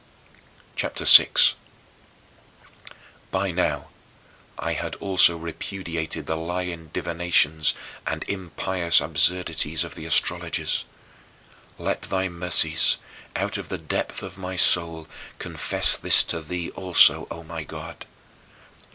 CHAPTER VI 8. By now I had also repudiated the lying divinations and impious absurdities of the astrologers. Let thy mercies, out of the depth of my soul, confess this to thee also, O my God.